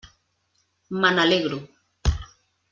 Me n'alegro.